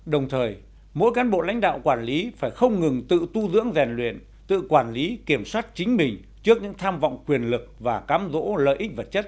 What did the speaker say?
đồng thời mỗi cán bộ lãnh đạo quản lý phải không ngừng tự tu dưỡng rèn luyện tự quản lý kiểm soát chính mình trước những tham vọng quyền lực và cám dỗ lợi ích vật chất